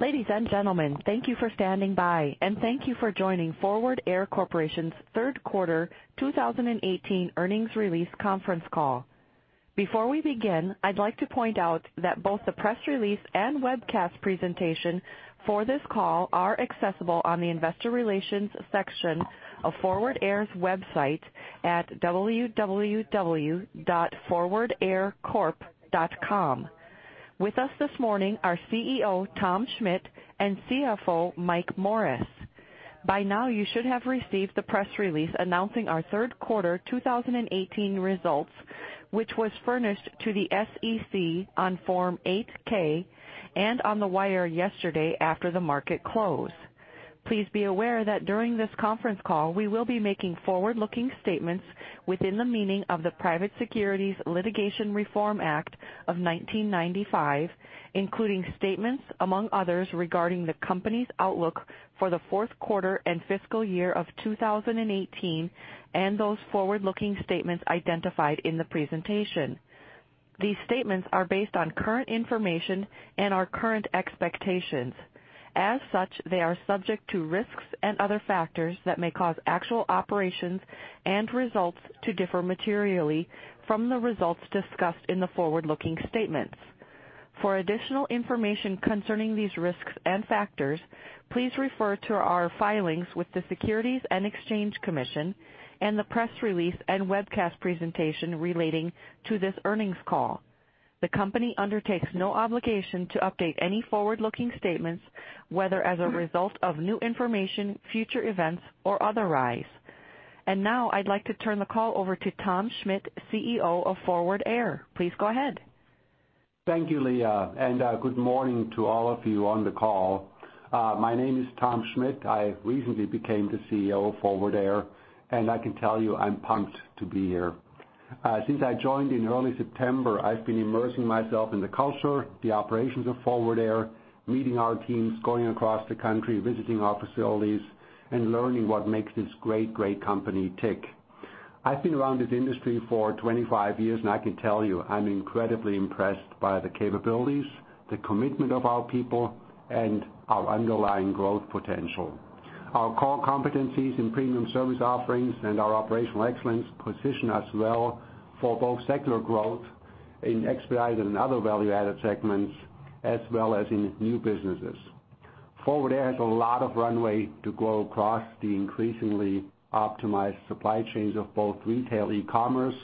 Ladies and gentlemen, thank you for standing by. Thank you for joining Forward Air Corporation's third quarter 2018 earnings release conference call. Before we begin, I'd like to point out that both the press release and webcast presentation for this call are accessible on the investor relations section of Forward Air's website at www.forwardaircorp.com. With us this morning are CEO Tom Schmitt and CFO Mike Morris. By now, you should have received the press release announcing our third quarter 2018 results, which was furnished to the SEC on Form 8-K and on the wire yesterday after the market close. Please be aware that during this conference call, we will be making forward-looking statements within the meaning of the Private Securities Litigation Reform Act of 1995, including statements among others regarding the company's outlook for the fourth quarter and fiscal year of 2018, and those forward-looking statements identified in the presentation. These statements are based on current information and our current expectations. As such, they are subject to risks and other factors that may cause actual operations and results to differ materially from the results discussed in the forward-looking statements. For additional information concerning these risks and factors, please refer to our filings with the Securities and Exchange Commission and the press release and webcast presentation relating to this earnings call. The company undertakes no obligation to update any forward-looking statements, whether as a result of new information, future events, or otherwise. Now I'd like to turn the call over to CEO Tom Schmitt of Forward Air. Please go ahead. Thank you, Leah. Good morning to all of you on the call. My name is Tom Schmitt. I recently became the CEO of Forward Air. I can tell you I'm pumped to be here. Since I joined in early September, I've been immersing myself in the culture, the operations of Forward Air, meeting our teams, going across the country, visiting our facilities, and learning what makes this great company tick. I've been around this industry for 25 years. I can tell you, I'm incredibly impressed by the capabilities, the commitment of our people, and our underlying growth potential. Our core competencies in premium service offerings and our operational excellence position us well for both secular growth in expedited and other value-added segments, as well as in new businesses. Forward Air has a lot of runway to grow across the increasingly optimized supply chains of both retail e-commerce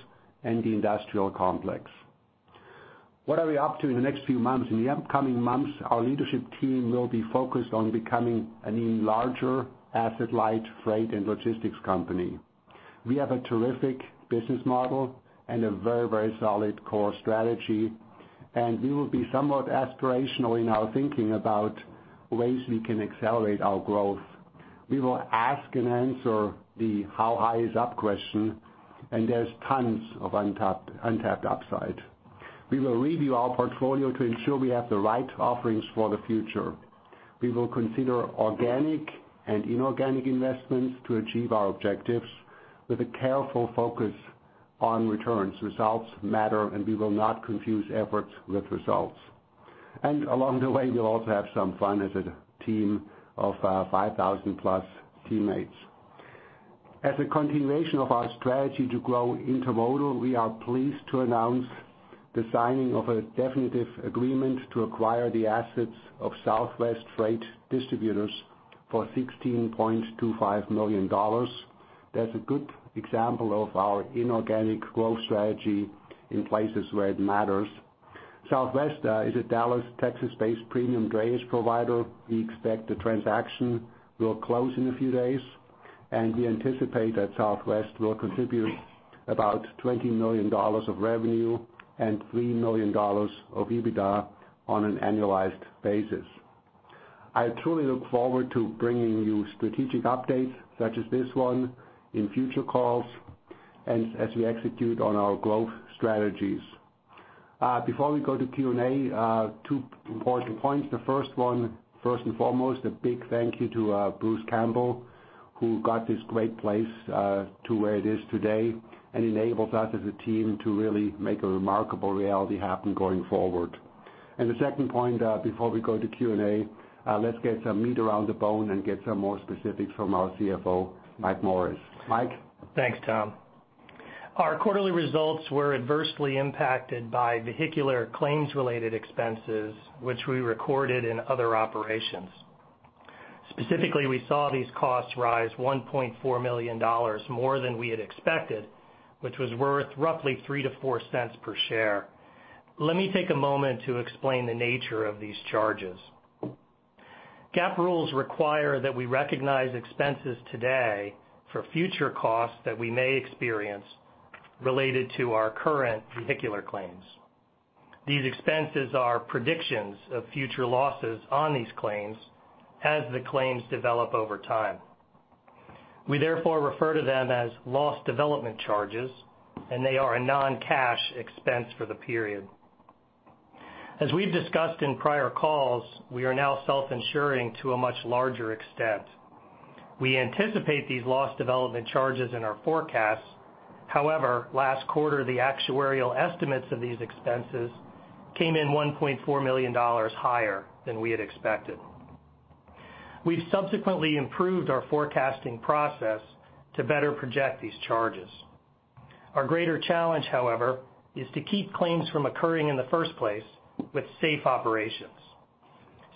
and the industrial complex. What are we up to in the next few months? In the upcoming months, our leadership team will be focused on becoming an even larger asset-light freight and logistics company. We have a terrific business model and a very solid core strategy, and we will be somewhat aspirational in our thinking about ways we can accelerate our growth. We will ask and answer the how high is up question, and there's tons of untapped upside. We will review our portfolio to ensure we have the right offerings for the future. We will consider organic and inorganic investments to achieve our objectives with a careful focus on returns. Results matter, and we will not confuse efforts with results. Along the way, we'll also have some fun as a team of 5,000-plus teammates. As a continuation of our strategy to grow intermodal, we are pleased to announce the signing of a definitive agreement to acquire the assets of Southwest Freight Distributors for $16.25 million. That's a good example of our inorganic growth strategy in places where it matters. Southwest is a Dallas, Texas-based premium drayage provider. We expect the transaction will close in a few days, and we anticipate that Southwest will contribute about $20 million of revenue and $3 million of EBITDA on an annualized basis. I truly look forward to bringing you strategic updates such as this one in future calls as we execute on our growth strategies. Before we go to Q&A, two important points. The first one, first and foremost, a big thank you to Bruce Campbell, who got this great place to where it is today and enables us as a team to really make a remarkable reality happen going forward. The second point before we go to Q&A, let's get some meat around the bone and get some more specifics from our CFO, Mike Morris. Mike? Thanks, Tom. Our quarterly results were adversely impacted by vehicular claims-related expenses, which we recorded in other operations. Specifically, we saw these costs rise $1.4 million more than we had expected, which was worth roughly $0.03-$0.04 per share. Let me take a moment to explain the nature of these charges. GAAP rules require that we recognize expenses today for future costs that we may experience related to our current vehicular claims. These expenses are predictions of future losses on these claims as the claims develop over time. We therefore refer to them as loss development charges, and they are a non-cash expense for the period. As we've discussed in prior calls, we are now self-insuring to a much larger extent. We anticipate these loss development charges in our forecast. However, last quarter, the actuarial estimates of these expenses came in $1.4 million higher than we had expected. We've subsequently improved our forecasting process to better project these charges. Our greater challenge, however, is to keep claims from occurring in the first place with safe operations.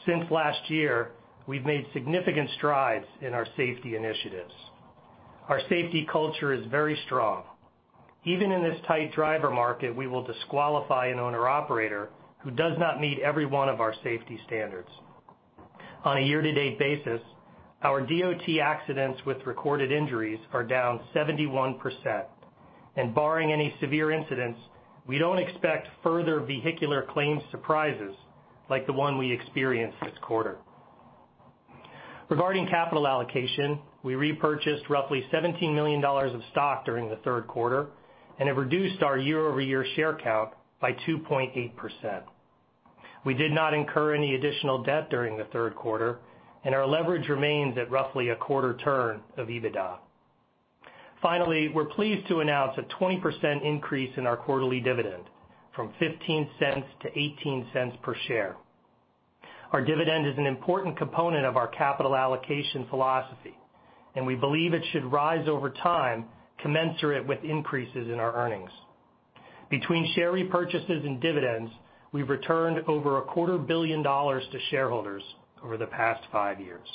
Since last year, we've made significant strides in our safety initiatives. Our safety culture is very strong. Even in this tight driver market, we will disqualify an owner-operator who does not meet every one of our safety standards. On a year-to-date basis, our DOT accidents with recorded injuries are down 71%, and barring any severe incidents, we don't expect further vehicular claims surprises like the one we experienced this quarter. Regarding capital allocation, we repurchased roughly $17 million of stock during the third quarter and have reduced our year-over-year share count by 2.8%. We did not incur any additional debt during the third quarter, and our leverage remains at roughly a quarter turn of EBITDA. We're pleased to announce a 20% increase in our quarterly dividend from $0.15 to $0.18 per share. Our dividend is an important component of our capital allocation philosophy, and we believe it should rise over time commensurate with increases in our earnings. Between share repurchases and dividends, we've returned over a quarter billion dollars to shareholders over the past five years.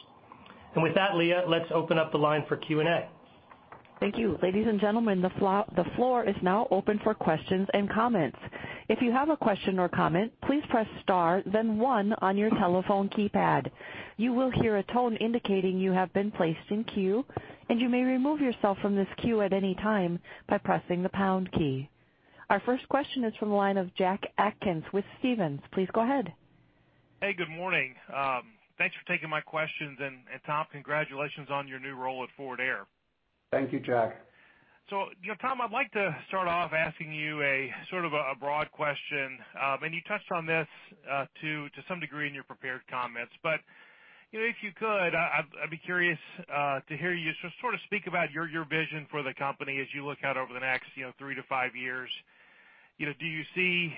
With that, Leah, let's open up the line for Q&A. Thank you. Ladies and gentlemen, the floor is now open for questions and comments. If you have a question or comment, please press star then one on your telephone keypad. You will hear a tone indicating you have been placed in queue, and you may remove yourself from this queue at any time by pressing the pound key. Our first question is from the line of Jack Atkins with Stephens. Please go ahead. Hey, good morning. Thanks for taking my questions. Tom, congratulations on your new role at Forward Air. Thank you, Jack. Tom, I'd like to start off asking you a broad question, and you touched on this to some degree in your prepared comments. But if you could, I'd be curious to hear you just speak about your vision for the company as you look out over the next three to five years. Do you see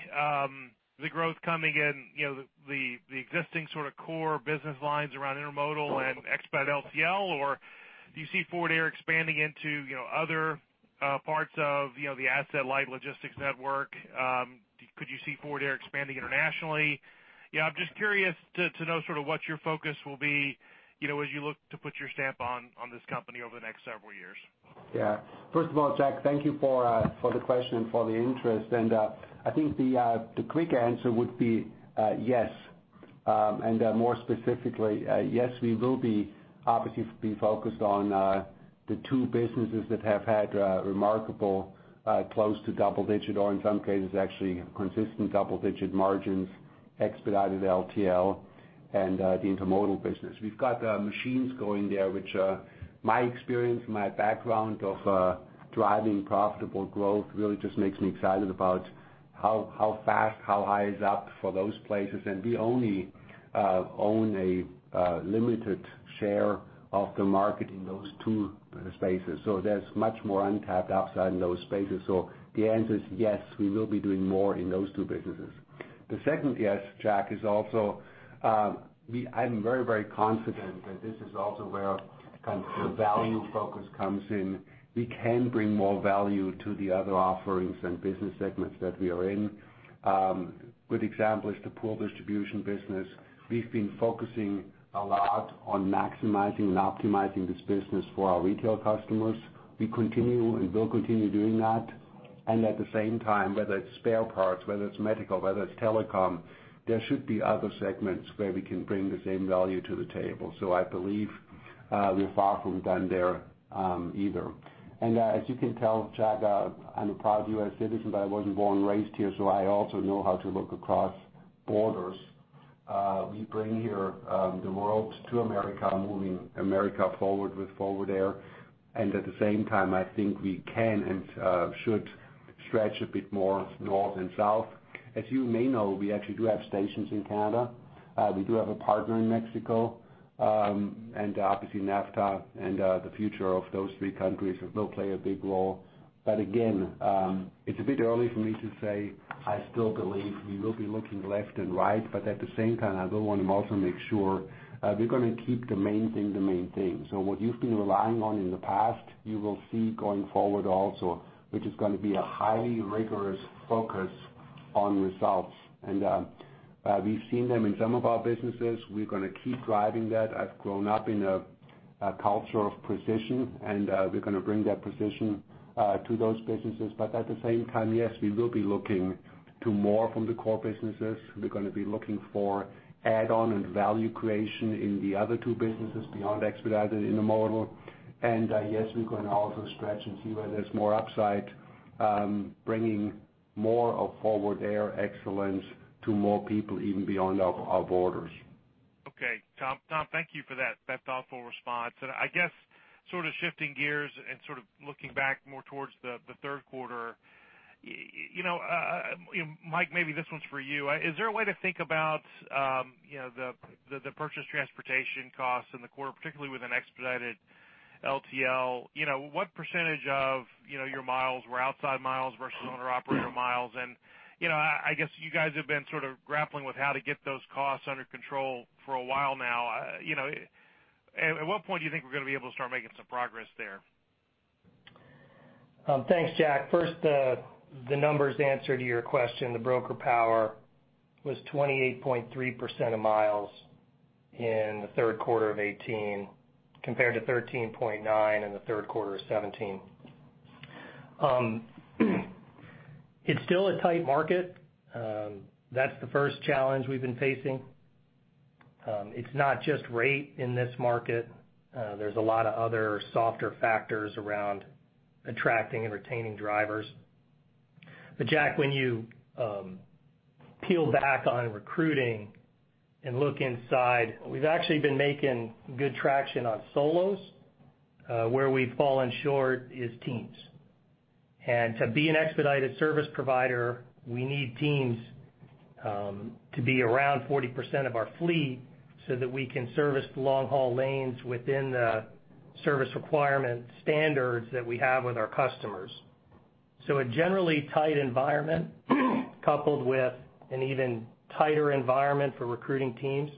the growth coming in the existing core business lines around intermodal and Expedited LTL, or do you see Forward Air expanding into other parts of the asset-light logistics network? Could you see Forward Air expanding internationally? I'm just curious to know what your focus will be as you look to put your stamp on this company over the next several years. First of all, Jack, thank you for the question and for the interest. I think the quick answer would be yes, more specifically, yes, we will be obviously focused on the two businesses that have had remarkable close to double-digit, or in some cases, actually consistent double-digit margins, Expedited LTL and the intermodal business. We've got machines going there, which my experience, my background of driving profitable growth really just makes me excited about how fast, how high is up for those places, and we only own a limited share of the market in those two spaces. There's much more untapped outside in those spaces. The answer is yes, we will be doing more in those two businesses. The second yes, Jack, is also, I'm very, very confident that this is also where the value focus comes in. We can bring more value to the other offerings and business segments that we are in. Good example is the pool distribution business. We've been focusing a lot on maximizing and optimizing this business for our retail customers. We continue and will continue doing that. At the same time, whether it's spare parts, whether it's medical, whether it's telecom, there should be other segments where we can bring the same value to the table. I believe we're far from done there either. As you can tell, Jack, I'm a proud U.S. citizen, but I wasn't born and raised here, so I also know how to look across borders. We bring here the world to America, moving America forward with Forward Air, at the same time, I think we can and should stretch a bit more north and south. As you may know, we actually do have stations in Canada. We do have a partner in Mexico. Obviously NAFTA and the future of those three countries will play a big role. Again, it's a bit early for me to say. I still believe we will be looking left and right, at the same time, I do want to also make sure we're going to keep the main thing the main thing. What you've been relying on in the past, you will see going forward also, which is going to be a highly rigorous focus on results. We've seen them in some of our businesses. We're going to keep driving that. I've grown up in a culture of precision, we're going to bring that precision to those businesses. At the same time, yes, we will be looking to more from the core businesses. We're going to be looking for add-on and value creation in the other two businesses beyond Expedited intermodal. Yes, we're going to also stretch and see where there's more upside, bringing more of Forward Air excellence to more people even beyond our borders. Okay. Tom, thank you for that thoughtful response. I guess shifting gears and looking back more towards the third quarter, Mike, maybe this one's for you. Is there a way to think about the purchase transportation costs in the quarter, particularly with an Expedited LTL? What % of your miles were outside miles versus owner-operator miles? I guess you guys have been sort of grappling with how to get those costs under control for a while now. At what point do you think we're going to be able to start making some progress there? Thanks, Jack. First, the numbers answer to your question. The broker power was 28.3% of miles in the third quarter of 2018, compared to 13.9 in the third quarter of 2017. It's still a tight market. That's the first challenge we've been facing. It's not just rate in this market. There's a lot of other softer factors around attracting and retaining drivers. Jack, when you peel back on recruiting and look inside, we've actually been making good traction on solos. Where we've fallen short is teams. To be an Expedited service provider, we need teams to be around 40% of our fleet so that we can service the long-haul lanes within the service requirement standards that we have with our customers. A generally tight environment, coupled with an even tighter environment for recruiting teams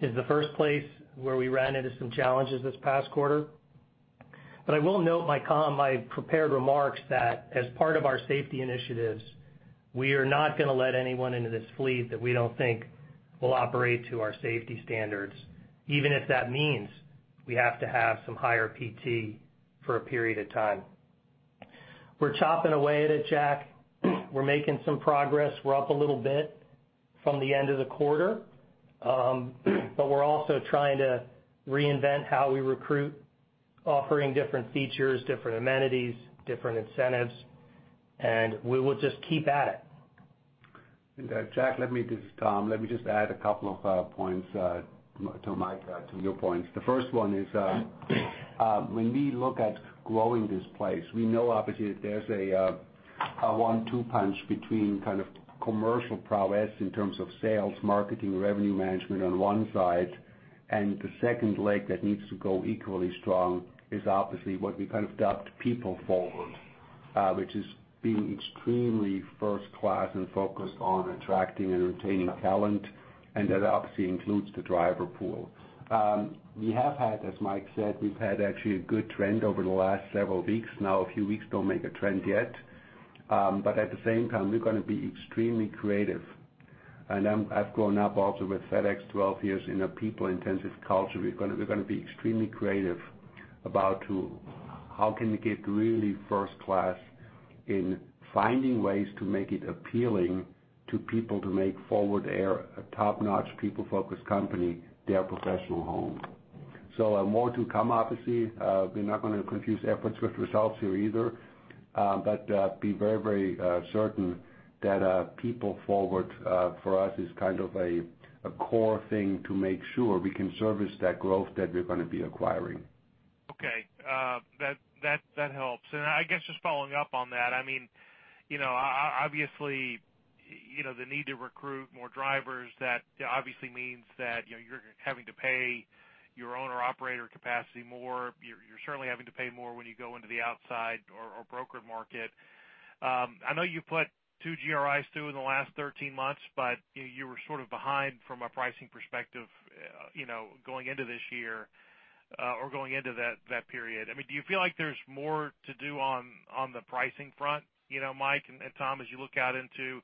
is the first place where we ran into some challenges this past quarter. I will note, Tom, I prepared remarks that as part of our safety initiatives, we are not going to let anyone into this fleet that we don't think will operate to our safety standards, even if that means we have to have some higher PT for a period of time. We're chopping away at it, Jack. We're making some progress. We're up a little bit from the end of the quarter. We're also trying to reinvent how we recruit, offering different features, different amenities, different incentives, and we will just keep at it. Jack, this is Tom. Let me just add a couple of points to Mike, to your points. The first one is, when we look at growing this place, we know obviously there's a one-two punch between kind of commercial prowess in terms of sales, marketing, revenue management on one side, and the second leg that needs to go equally strong is obviously what we kind of dubbed people forward, which is being extremely first class and focused on attracting and retaining talent, and that obviously includes the driver pool. We have had, as Mike said, we've had actually a good trend over the last several weeks. Now, a few weeks don't make a trend yet. At the same time, we're going to be extremely creative. I've grown up also with FedEx, 12 years in a people-intensive culture. We're going to be extremely creative about how can we get really first class in finding ways to make it appealing to people to make Forward Air a top-notch, people-focused company, their professional home. More to come, obviously. We're not going to confuse efforts with results here either. Be very certain that people forward for us is kind of a core thing to make sure we can service that growth that we're going to be acquiring. Okay. That helps. I guess just following up on that, obviously, the need to recruit more drivers, that obviously means that you're having to pay your owner-operator capacity more. You're certainly having to pay more when you go into the outside or broker market. I know you put 2 GRIs through in the last 13 months, you were sort of behind from a pricing perspective going into this year, or going into that period. Do you feel like there's more to do on the pricing front, Mike and Tom, as you look out into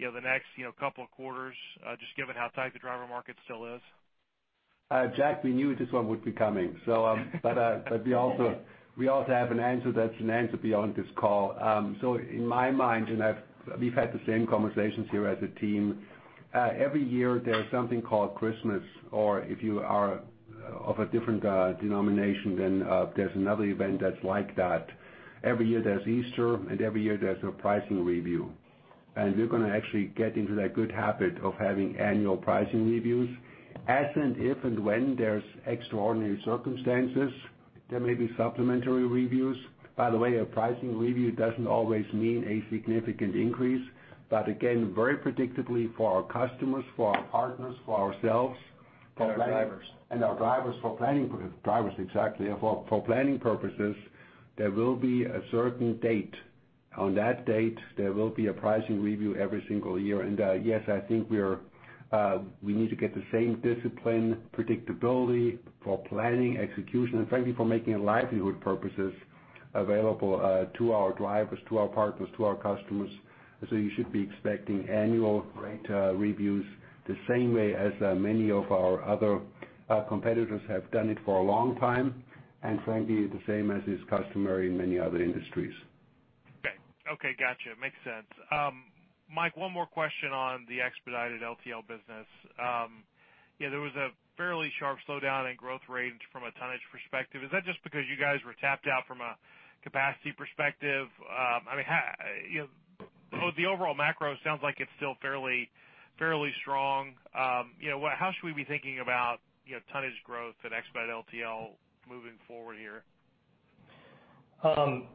the next couple of quarters, just given how tight the driver market still is? Jack, we knew this one would be coming. We also have an answer that's an answer beyond this call. In my mind, and we've had the same conversations here as a team. Every year, there is something called Christmas, or if you are of a different denomination, then there's another event that's like that. Every year there's Easter, and every year there's a pricing review. We're going to actually get into that good habit of having annual pricing reviews. As and if and when there's extraordinary circumstances, there may be supplementary reviews. By the way, a pricing review doesn't always mean a significant increase. Again, very predictably for our customers, for our partners, for ourselves. For our drivers. Our drivers for planning purposes. Drivers, exactly. For planning purposes, there will be a certain date. On that date, there will be a pricing review every single year. Yes, I think we need to get the same discipline, predictability for planning, execution, and frankly, for making livelihood purposes available to our drivers, to our partners, to our customers. You should be expecting annual rate reviews the same way as many of our other competitors have done it for a long time, and frankly, the same as is customary in many other industries. Okay. Got you. Makes sense. Mike, one more question on the Expedited LTL business. There was a fairly sharp slowdown in growth range from a tonnage perspective. Is that just because you guys were tapped out from a capacity perspective? The overall macro sounds like it's still fairly strong. How should we be thinking about tonnage growth at Expedited LTL moving forward here?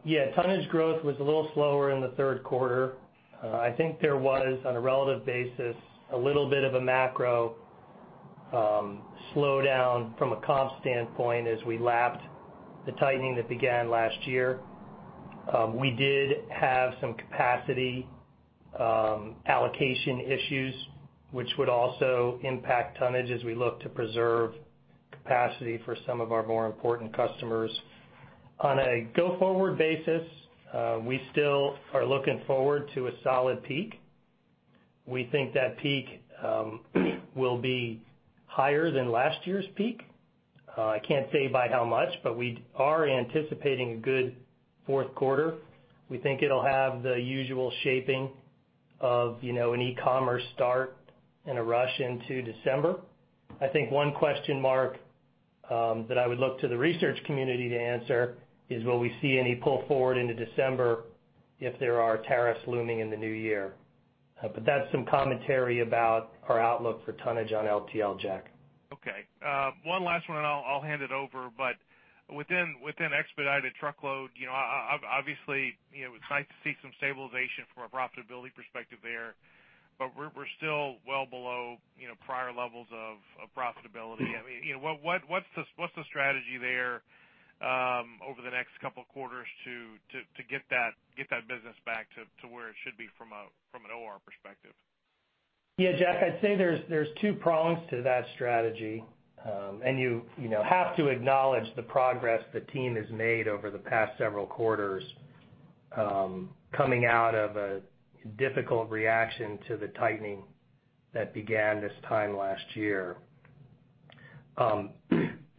Yeah. Tonnage growth was a little slower in the third quarter. I think there was, on a relative basis, a little bit of a macro slowdown from a comp standpoint as we lapped the tightening that began last year. We did have some capacity allocation issues, which would also impact tonnage as we look to preserve capacity for some of our more important customers. On a go-forward basis, we still are looking forward to a solid peak. We think that peak will be higher than last year's peak. I can't say by how much, but we are anticipating a good fourth quarter. We think it'll have the usual shaping of an e-commerce start and a rush into December. I think one question mark that I would look to the research community to answer is, will we see any pull forward into December if there are tariffs looming in the new year? That's some commentary about our outlook for tonnage on LTL, Jack. Okay. One last one, I'll hand it over. Within Expedited truckload, obviously, it's nice to see some stabilization from a profitability perspective there, but we're still well below prior levels of profitability. What's the strategy there over the next couple of quarters to get that business back to where it should be from an OR perspective? Yeah, Jack, I'd say there's two prongs to that strategy. You have to acknowledge the progress the team has made over the past several quarters, coming out of a difficult reaction to the tightening that began this time last year.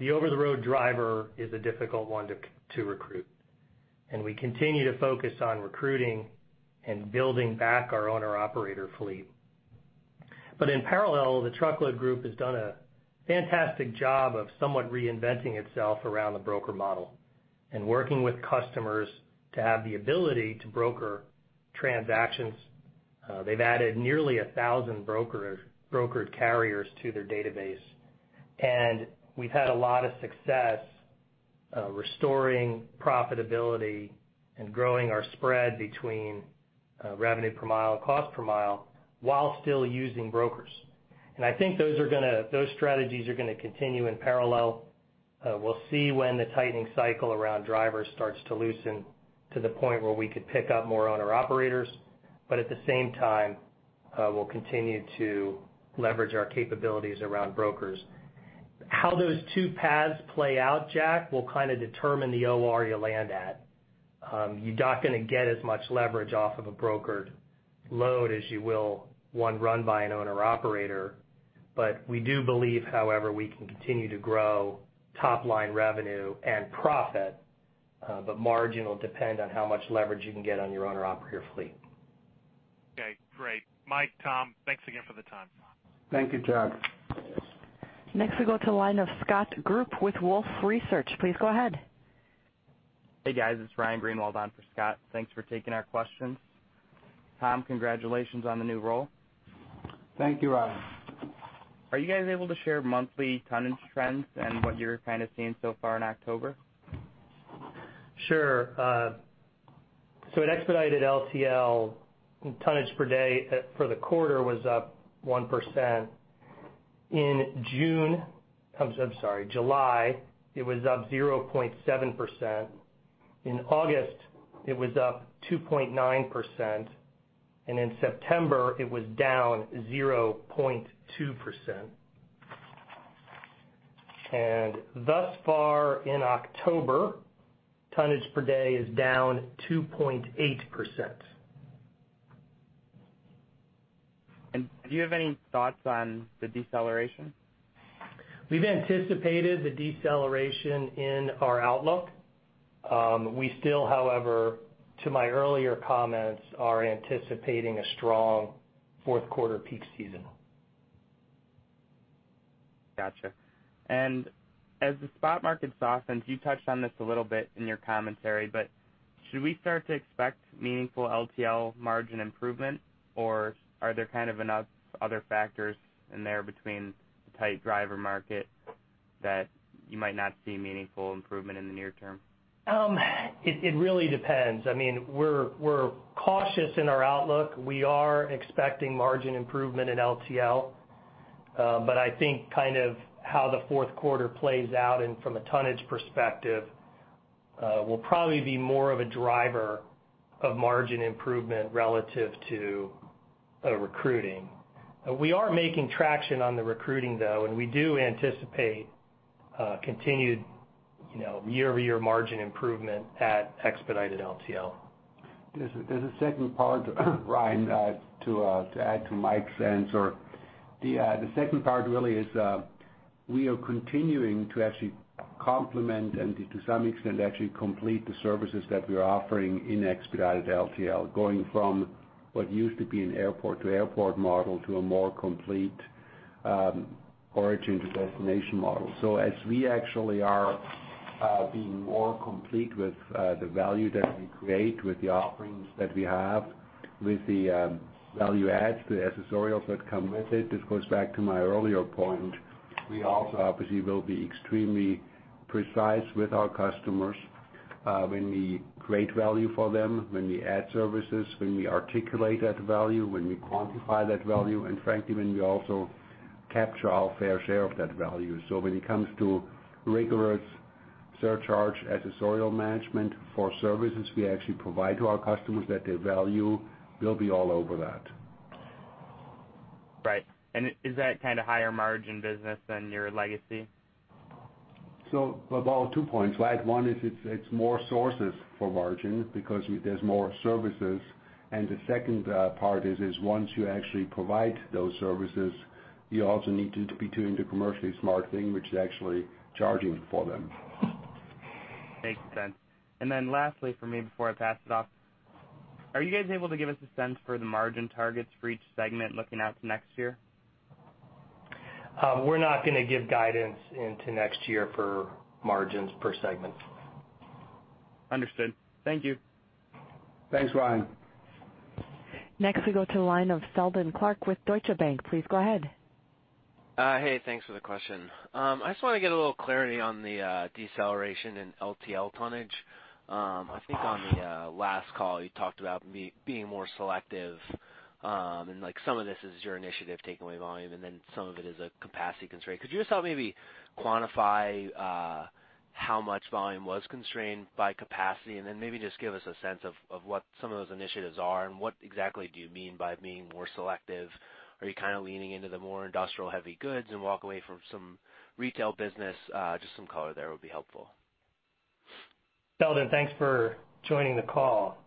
The over-the-road driver is a difficult one to recruit, we continue to focus on recruiting and building back our owner-operator fleet. In parallel, the truckload group has done a fantastic job of somewhat reinventing itself around the broker model and working with customers to have the ability to broker transactions. They've added nearly 1,000 brokered carriers to their database, we've had a lot of success restoring profitability and growing our spread between revenue per mile and cost per mile while still using brokers. I think those strategies are going to continue in parallel. We'll see when the tightening cycle around drivers starts to loosen to the point where we could pick up more owner-operators. At the same time, we'll continue to leverage our capabilities around brokers. How those two paths play out, Jack, will determine the OR you land at. You're not going to get as much leverage off of a brokered load as you will one run by an owner-operator. We do believe, however, we can continue to grow top-line revenue and profit. Margin will depend on how much leverage you can get on your owner-operator fleet. Okay, great. Mike, Tom, thanks again for the time. Thank you, Jack. Next we go to the line of Scott Group with Wolfe Research. Please go ahead. Hey, guys. It's Ryan Greenwald on for Scott. Thanks for taking our questions. Tom, congratulations on the new role. Thank you, Ryan. Are you guys able to share monthly tonnage trends and what you're kind of seeing so far in October? Sure. At Expedited LTL, tonnage per day for the quarter was up 1%. In June, I'm sorry, July, it was up 0.7%. In August, it was up 2.9%, and in September, it was down 0.2%. Thus far in October, tonnage per day is down 2.8%. Do you have any thoughts on the deceleration? We've anticipated the deceleration in our outlook. We still, however, to my earlier comments, are anticipating a strong fourth-quarter peak season. Got you. As the spot market softens, you touched on this a little bit in your commentary, but should we start to expect meaningful LTL margin improvement, or are there enough other factors in there between the tight driver market that you might not see meaningful improvement in the near term? It really depends. We're cautious in our outlook. We are expecting margin improvement in LTL. I think how the fourth quarter plays out and from a tonnage perspective, will probably be more of a driver of margin improvement relative to recruiting. We are making traction on the recruiting, though, and we do anticipate continued year-over-year margin improvement at Expedited LTL. There's a second part, Ryan, to add to Mike's answer. The second part really is, we are continuing to actually complement and to some extent, actually complete the services that we are offering in Expedited LTL, going from what used to be an airport-to-airport model to a more complete origin to destination model. As we actually are being more complete with the value that we create with the offerings that we have, with the value add, the accessorials that come with it, this goes back to my earlier point, we also obviously will be extremely precise with our customers when we create value for them, when we add services, when we articulate that value, when we quantify that value, and frankly, when we also capture our fair share of that value. When it comes to rigorous surcharge, accessorial management for services we actually provide to our customers that they value, we'll be all over that. Right. Is that higher margin business than your legacy? About two points, right? One is, it's more sources for margin because there's more services. The second part is, once you actually provide those services, you also need to be doing the commercially smart thing, which is actually charging for them. Makes sense. Lastly from me, before I pass it off, are you guys able to give us a sense for the margin targets for each segment looking out to next year? We're not going to give guidance into next year for margins per segment. Understood. Thank you. Thanks, Ryan. Next, we go to the line of Seldon Clarke with Deutsche Bank. Please go ahead. Hey, thanks for the question. I just want to get a little clarity on the deceleration in LTL tonnage. I think on the last call, you talked about being more selective, and some of this is your initiative taking away volume, and then some of it is a capacity constraint. Could you just help maybe quantify how much volume was constrained by capacity? And then maybe just give us a sense of what some of those initiatives are, and what exactly do you mean by being more selective? Are you kind of leaning into the more industrial heavy goods and walk away from some retail business? Just some color there would be helpful. Seldon, thanks for joining the call.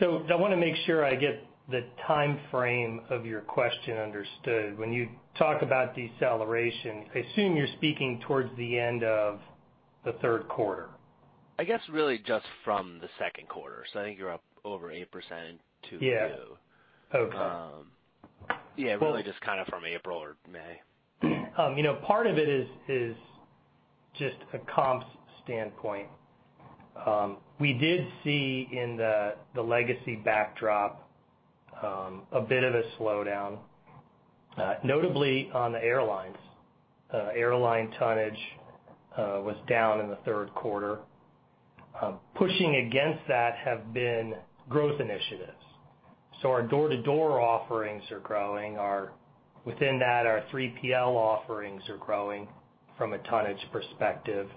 I want to make sure I get the timeframe of your question understood. When you talk about deceleration, I assume you're speaking towards the end of the third quarter. I guess really just from the second quarter. I think you're up over 8%. Yeah. Okay. Yeah. Really just from April or May. Part of it is just a comps standpoint. We did see in the legacy backdrop, a bit of a slowdown, notably on the airlines. Airline tonnage was down in the third quarter. Pushing against that have been growth initiatives. Our door-to-door offerings are growing. Within that, our 3PL offerings are growing from a tonnage perspective.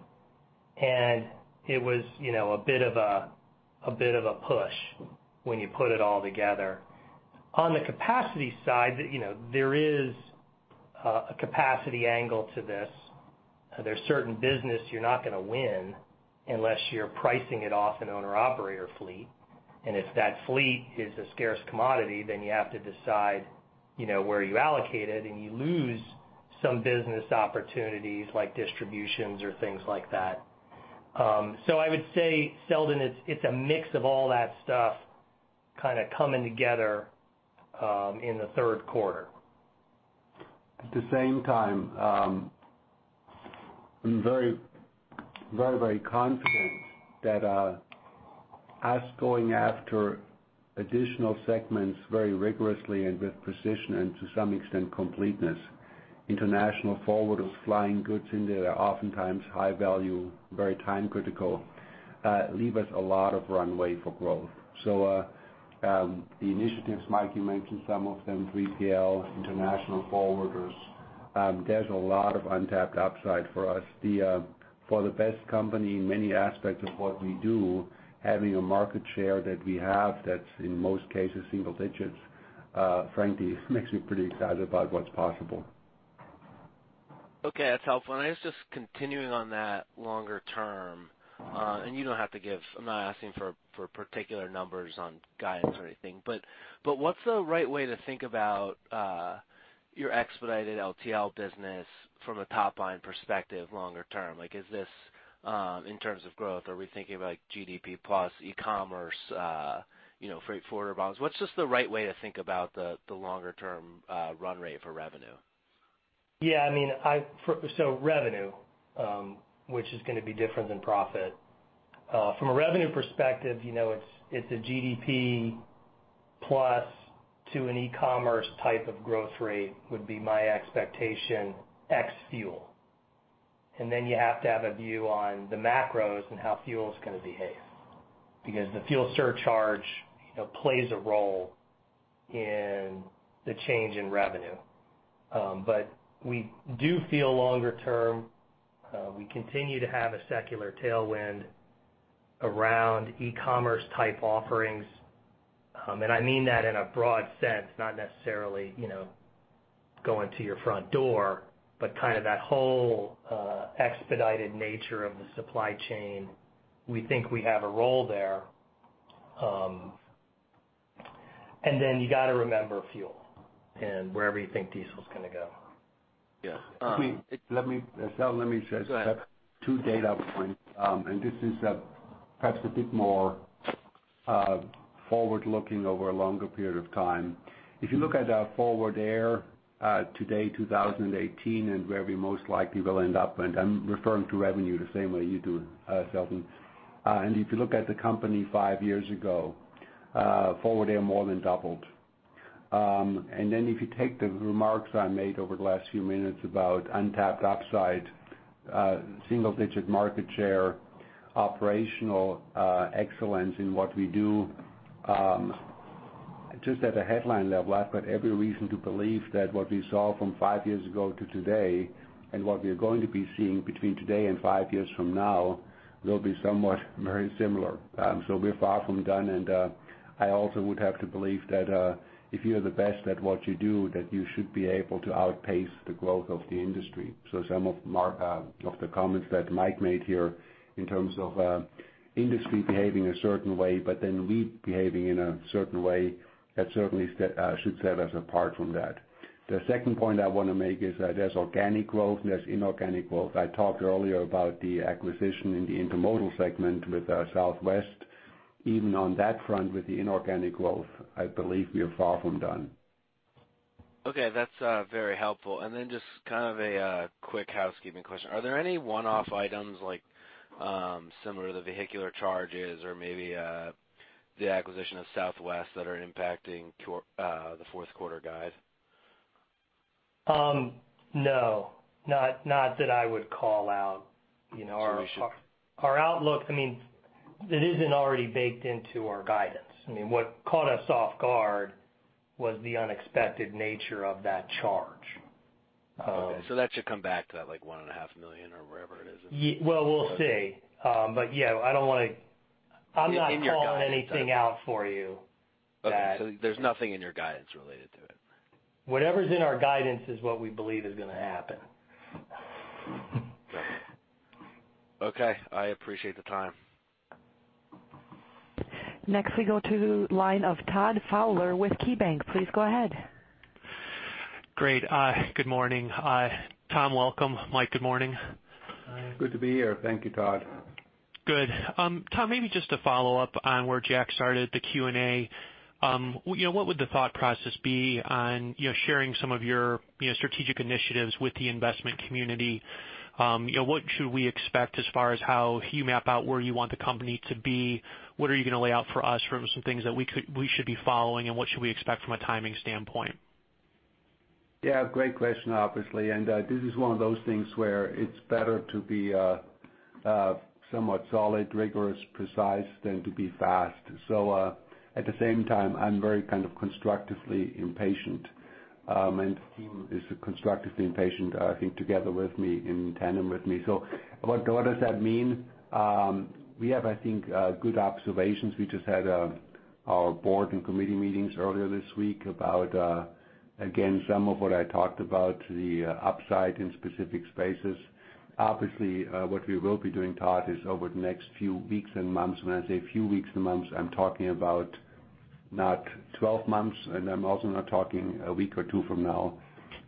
It was a bit of a push when you put it all together. On the capacity side, there is a capacity angle to this. There's certain business you're not going to win unless you're pricing it off an owner or operator fleet. If that fleet is a scarce commodity, then you have to decide where you allocate it, and you lose some business opportunities like distributions or things like that. I would say, Seldon, it's a mix of all that stuff coming together in the third quarter. At the same time, I'm very, very confident that us going after additional segments very rigorously and with precision, and to some extent completeness, international forwarders flying goods in there that are oftentimes high value, very time critical, leave us a lot of runway for growth. The initiatives, Mike, you mentioned some of them, 3PL, international forwarders, there's a lot of untapped upside for us. For the best company in many aspects of what we do, having a market share that we have, that's, in most cases, single digits, frankly, it makes me pretty excited about what's possible. Okay, that's helpful. I guess just continuing on that longer term. You don't have to give, I'm not asking for particular numbers on guidance or anything. What's the right way to think about your Expedited LTL business from a top-line perspective longer term? Like, is this, in terms of growth, are we thinking about GDP plus e-commerce, freight forwarder volumes? What's just the right way to think about the longer-term run rate for revenue? Yeah. Revenue, which is going to be different than profit. From a revenue perspective, it's a GDP plus to an e-commerce type of growth rate would be my expectation, ex fuel. You have to have a view on the macros and how fuel is going to behave. Because the fuel surcharge plays a role in the change in revenue. We do feel longer term, we continue to have a secular tailwind around e-commerce type offerings. I mean that in a broad sense, not necessarily going to your front door, but that whole expedited nature of the supply chain. We think we have a role there. You got to remember fuel and wherever you think diesel is going to go. Yeah. Let me, Seldon, let me just. Go ahead have two data points. This is perhaps a bit more forward-looking over a longer period of time. If you look at our Forward Air today, 2018, and where we most likely will end up, and I'm referring to revenue the same way you do, Seldon. If you look at the company five years ago, Forward Air more than doubled. If you take the remarks I made over the last few minutes about untapped upside, single-digit market share, operational excellence in what we do. Just at a headline level, I've got every reason to believe that what we saw from five years ago to today, and what we are going to be seeing between today and five years from now, will be somewhat very similar. We're far from done, I also would have to believe that if you are the best at what you do, that you should be able to outpace the growth of the industry. Some of the comments that Mike made here in terms of industry behaving a certain way, we behaving in a certain way, that certainly should set us apart from that. The second point I want to make is that there's organic growth, there's inorganic growth. I talked earlier about the acquisition in the intermodal segment with Southwest. Even on that front with the inorganic growth, I believe we are far from done. Okay. That's very helpful. Just a quick housekeeping question. Are there any one-off items like similar to the vehicular charges or maybe the acquisition of Southwest that are impacting the fourth quarter guide? No. Not that I would call out. So we should- Our outlook, it isn't already baked into our guidance. What caught us off guard was the unexpected nature of that charge. Okay. That should come back to that $1.5 million or wherever it is. Well, we'll see. Yeah, I'm not calling anything out for you. Okay. There's nothing in your guidance related to it. Whatever's in our guidance is what we believe is going to happen. Okay. I appreciate the time. Next we go to the line of Todd Fowler with KeyBanc. Please go ahead. Great. Good morning. Tom, welcome. Mike, good morning. Good to be here. Thank you, Todd. Good. Tom, maybe just to follow up on where Jack started the Q&A. What would the thought process be on sharing some of your strategic initiatives with the investment community? What should we expect as far as how you map out where you want the company to be? What are you going to lay out for us for some things that we should be following, and what should we expect from a timing standpoint? Great question, obviously, and this is one of those things where it's better to be somewhat solid, rigorous, precise, than to be fast. At the same time, I'm very constructively impatient. The team is constructively impatient, I think, together with me, in tandem with me. What does that mean? We have, I think, good observations. We just had our board and committee meetings earlier this week about, again, some of what I talked about, the upside in specific spaces. Obviously, what we will be doing, Todd, is over the next few weeks and months, when I say a few weeks and months, I'm talking about not 12 months, and I'm also not talking a week or two from now.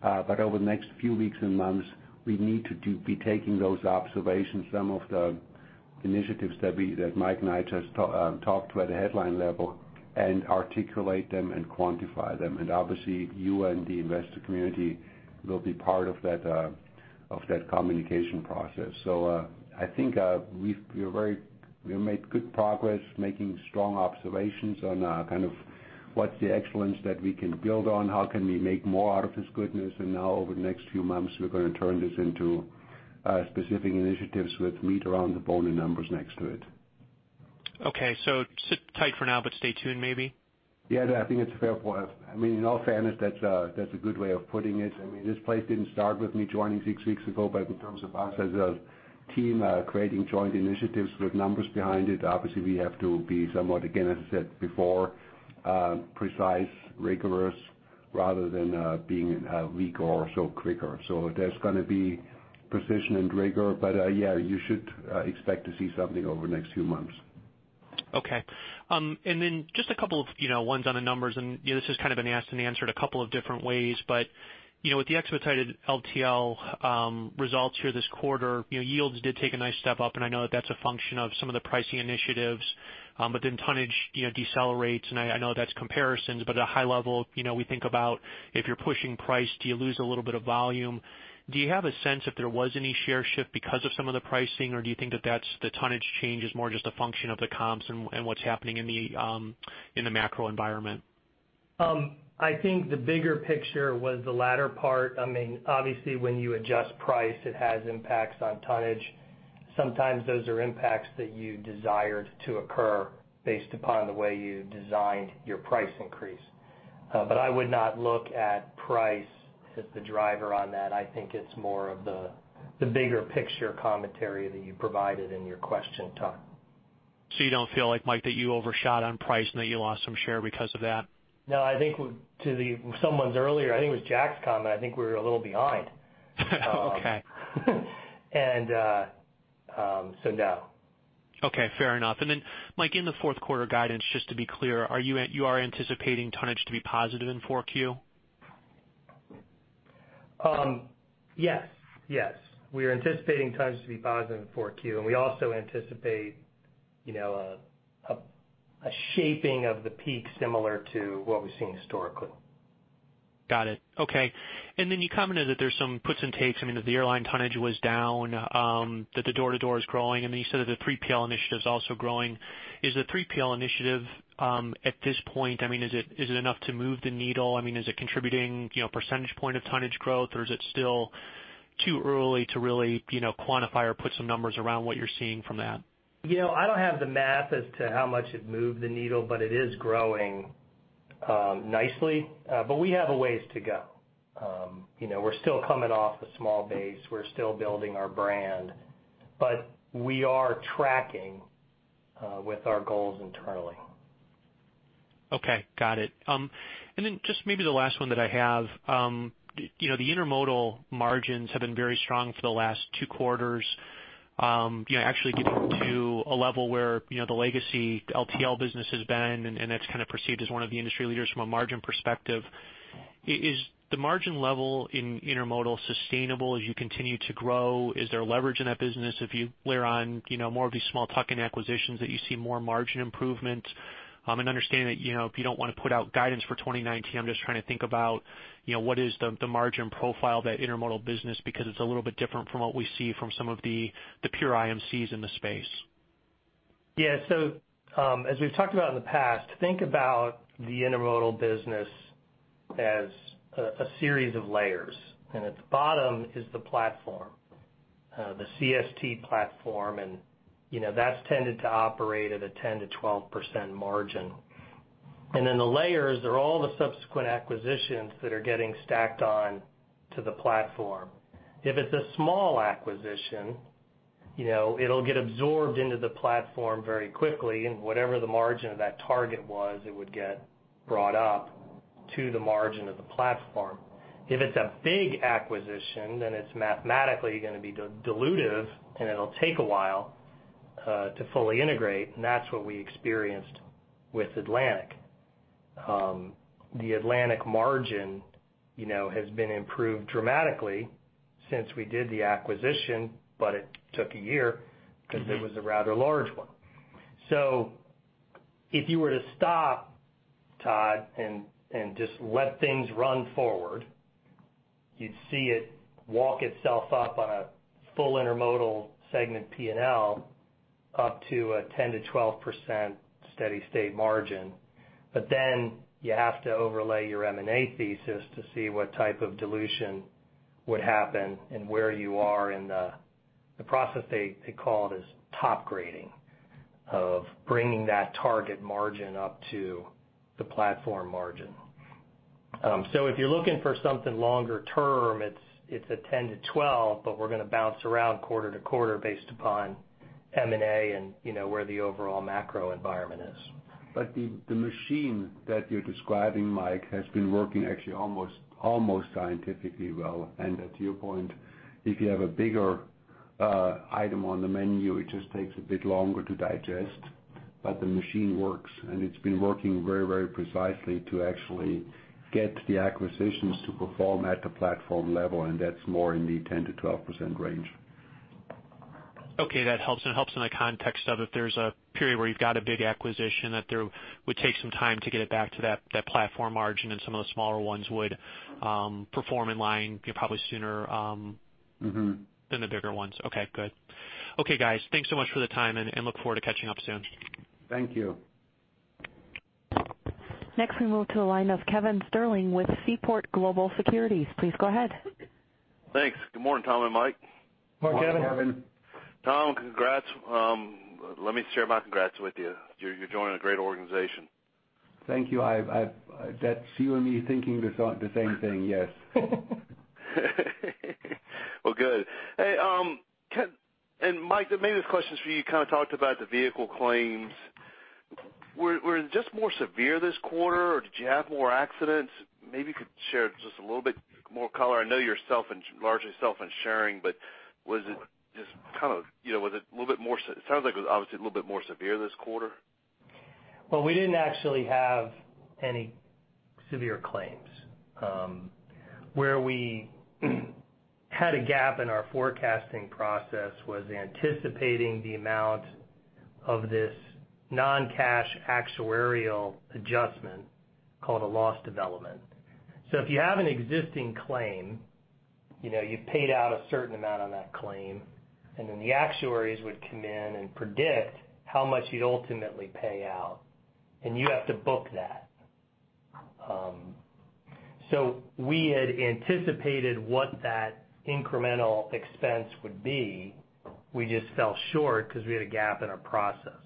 Over the next few weeks and months, we need to be taking those observations, some of the initiatives that Mike and I just talked about at a headline level, and articulate them and quantify them. Obviously, you and the investor community will be part of that communication process. I think we've made good progress making strong observations on what's the excellence that we can build on, how can we make more out of this goodness? Now over the next few months, we're going to turn this into specific initiatives with meat around the bone and numbers next to it. Okay. Sit tight for now, but stay tuned maybe? Yeah, I think it's a fair point. In all fairness, that's a good way of putting it. This place didn't start with me joining six weeks ago, but in terms of us as a team creating joint initiatives with numbers behind it, obviously we have to be somewhat, again, as I said before, precise, rigorous, rather than being a week or so quicker. There's going to be precision and rigor, but yeah, you should expect to see something over the next few months. Okay. Then just a couple of ones on the numbers, this has kind of been asked and answered a couple of different ways, with the expedited LTL results here this quarter, yields did take a nice step up, I know that that's a function of some of the pricing initiatives. Then tonnage decelerates, I know that's comparisons, at a high level, we think about if you're pushing price, do you lose a little bit of volume? Do you have a sense if there was any share shift because of some of the pricing, or do you think that that's the tonnage change is more just a function of the comps and what's happening in the macro environment? I think the bigger picture was the latter part. Obviously, when you adjust price, it has impacts on tonnage. Sometimes those are impacts that you desired to occur based upon the way you designed your price increase. I would not look at price as the driver on that. I think it's more of the bigger picture commentary that you provided in your question, Todd. You don't feel like, Mike, that you overshot on price and that you lost some share because of that? I think to someone's earlier, I think it was Jack's comment, I think we're a little behind. Okay. No. Okay, fair enough. Mike, in the fourth quarter guidance, just to be clear, you are anticipating tonnage to be positive in four Q? Yes. We are anticipating tonnage to be positive in four Q, we also anticipate a shaping of the peak similar to what we've seen historically. Got it. Okay. You commented that there's some puts and takes. I mean, that the airline tonnage was down, that the door to door is growing, you said that the 3PL initiative is also growing. Is the 3PL initiative, at this point, is it enough to move the needle? Is it contributing a percentage point of tonnage growth or is it still too early to really quantify or put some numbers around what you're seeing from that? I don't have the math as to how much it moved the needle, it is growing nicely. We have a ways to go. We're still coming off a small base. We're still building our brand. We are tracking with our goals internally. Okay. Got it. Just maybe the last one that I have. The intermodal margins have been very strong for the last two quarters, actually getting to a level where the legacy, the LTL business has been, and that's kind of perceived as one of the industry leaders from a margin perspective. Is the margin level in intermodal sustainable as you continue to grow? Is there leverage in that business if you layer on more of these small tuck-in acquisitions that you see more margin improvement? Understanding that if you don't want to put out guidance for 2019, I'm just trying to think about what is the margin profile of that intermodal business, because it's a little bit different from what we see from some of the pure IMCs in the space. Yeah. As we've talked about in the past, think about the intermodal business as a series of layers, at the bottom is the platform, the CST platform, and that's tended to operate at a 10% to 12% margin. The layers are all the subsequent acquisitions that are getting stacked on to the platform. If it's a small acquisition, it'll get absorbed into the platform very quickly, and whatever the margin of that target was, it would get brought up to the margin of the platform. If it's a big acquisition, it's mathematically going to be dilutive, and it'll take a while to fully integrate, and that's what we experienced with Atlantic. The Atlantic margin has been improved dramatically since we did the acquisition, it took a year because it was a rather large one. If you were to stop, Todd, and just let things run forward, you'd see it walk itself up on a full intermodal segment P&L up to a 10% to 12% steady state margin. You have to overlay your M&A thesis to see what type of dilution would happen and where you are in the process they call it as top grading, of bringing that target margin up to the platform margin. If you're looking for something longer term, it's a 10% to 12%, we're going to bounce around quarter to quarter based upon M&A and where the overall macro environment is. The machine that you're describing, Mike, has been working actually almost scientifically well. To your point, if you have a bigger item on the menu, it just takes a bit longer to digest, the machine works, and it's been working very precisely to actually get the acquisitions to perform at the platform level, and that's more in the 10% to 12% range. Okay, that helps. It helps in the context of if there's a period where you've got a big acquisition, that there would take some time to get it back to that platform margin and some of the smaller ones would perform in line probably sooner- than the bigger ones. Okay, good. Okay, guys, thanks so much for the time, and look forward to catching up soon. Thank you. Next, we move to the line of Kevin Sterling with Seaport Global Securities. Please go ahead. Thanks. Good morning, Tom and Mike. Good morning, Kevin. Morning, Kevin. Tom, congrats. Let me share my congrats with you. You're joining a great organization. Thank you. That's you and me thinking the same thing. Yes. Well, good. Hey, Mike, maybe this question is for you. You kind of talked about the vehicle claims. Were just more severe this quarter, or did you have more accidents? Maybe you could share just a little bit more color. I know you're largely self-insuring, but was it a little bit more. It sounds like it was obviously a little bit more severe this quarter. Well, we didn't actually have any severe claims. Where we had a gap in our forecasting process was anticipating the amount of this non-cash actuarial adjustment, called a loss development. If you have an existing claim, you've paid out a certain amount on that claim, and then the actuaries would come in and predict how much you'd ultimately pay out, and you have to book that. We had anticipated what that incremental expense would be. We just fell short because we had a gap in our process.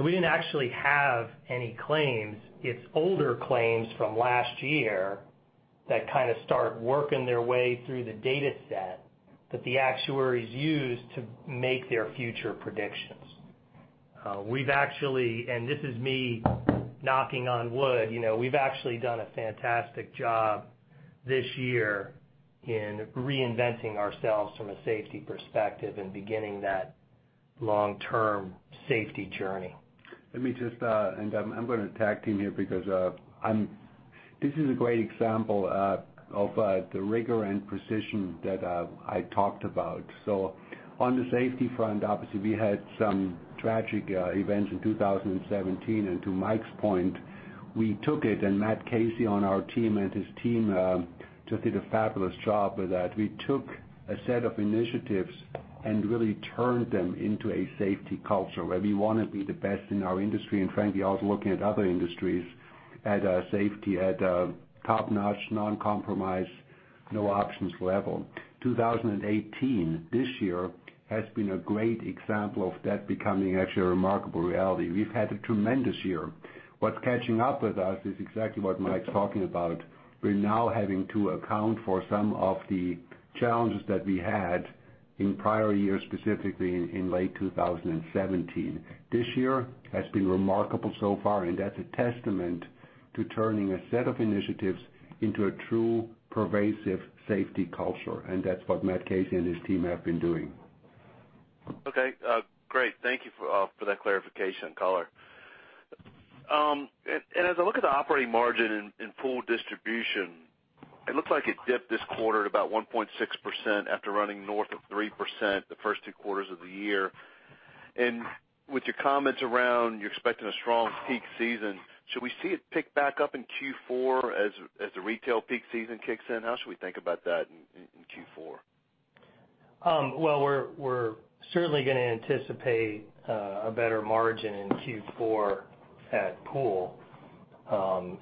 We didn't actually have any claims. It's older claims from last year that kind of start working their way through the dataset that the actuaries use to make their future predictions. We've actually, and this is me knocking on wood, we've actually done a fantastic job this year in reinventing ourselves from a safety perspective and beginning that long-term safety journey. Let me just, I'm going to tag team here because this is a great example of the rigor and precision that I talked about. On the safety front, obviously, we had some tragic events in 2017, and to Mike's point, we took it, and Matt Casey on our team and his team just did a fabulous job with that. We took a set of initiatives and really turned them into a safety culture where we want to be the best in our industry. Frankly, also looking at other industries at a safety, at a top-notch, non-compromise, no options level. 2018, this year, has been a great example of that becoming actually a remarkable reality. We've had a tremendous year. What's catching up with us is exactly what Mike's talking about. We're now having to account for some of the challenges that we had in prior years, specifically in late 2017. This year has been remarkable so far, and that's a testament to turning a set of initiatives into a true pervasive safety culture, and that's what Matt Casey and his team have been doing. Okay. Great. Thank you for that clarification, caller. As I look at the operating margin in pool distribution, it looks like it dipped this quarter at about 1.6% after running north of 3% the first two quarters of the year. With your comments around you're expecting a strong peak season, should we see it pick back up in Q4 as the retail peak season kicks in? How should we think about that in Q4? Well, we're certainly going to anticipate a better margin in Q4 at pool,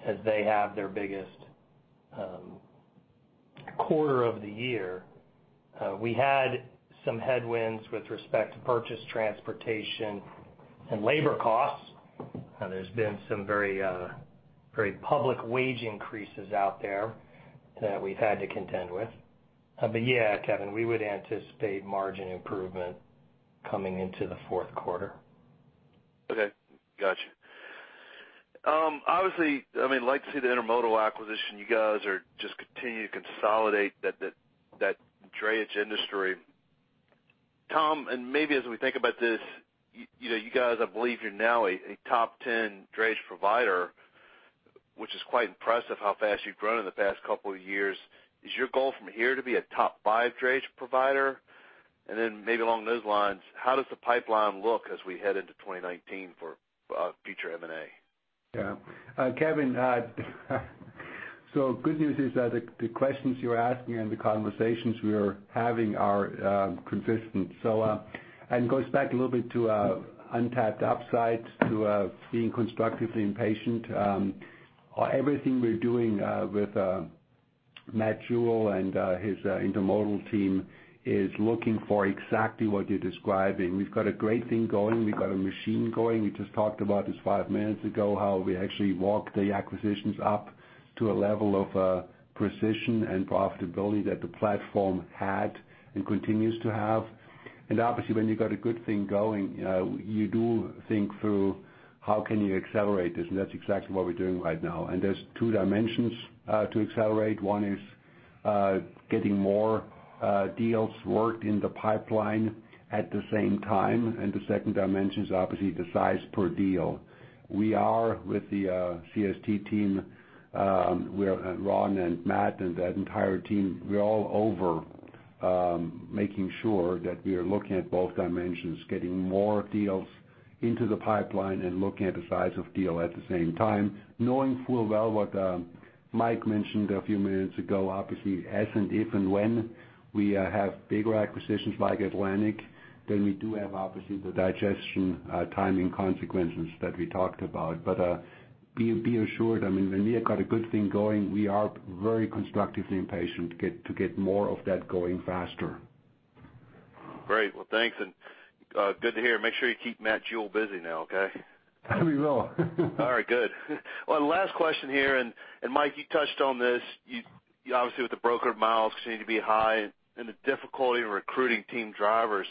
as they have their biggest quarter of the year. We had some headwinds with respect to purchase transportation and labor costs. There's been some very public wage increases out there that we've had to contend with. Yeah, Kevin, we would anticipate margin improvement coming into the fourth quarter. Okay. Got you. Obviously, I mean, like to see the intermodal acquisition, you guys are just continuing to consolidate that drayage industry. Tom, maybe as we think about this, you guys, I believe you're now a top 10 drayage provider, which is quite impressive how fast you've grown in the past couple of years. Is your goal from here to be a top five drayage provider? Then maybe along those lines, how does the pipeline look as we head into 2019 for future M&A? Yeah. Kevin, good news is that the questions you're asking and the conversations we are having are consistent. Goes back a little bit to untapped upsides, to being constructively impatient. Everything we're doing with Matt Jewell and his intermodal team is looking for exactly what you're describing. We've got a great thing going. We've got a machine going. We just talked about this five minutes ago, how we actually walk the acquisitions up to a level of precision and profitability that the platform had and continues to have. Obviously, when you got a good thing going, you do think through how can you accelerate this, that's exactly what we're doing right now. There's two dimensions to accelerate. One is getting more deals worked in the pipeline at the same time, the second dimension is obviously the size per deal. We are with the CST team, Ron and Matt and that entire team. We're all over making sure that we are looking at both dimensions, getting more deals into the pipeline, and looking at the size of deal at the same time, knowing full well what Mike mentioned a few minutes ago. As and if and when we have bigger acquisitions like Atlantic, we do have, obviously, the digestion timing consequences that we talked about. Be assured, I mean, when we have got a good thing going, we are very constructively impatient to get more of that going faster. Great. Well, thanks. Good to hear. Make sure you keep Matt Jewell busy now, okay? We will. All right, good. One last question here. Mike, you touched on this. Obviously with the broker miles continuing to be high and the difficulty in recruiting team drivers,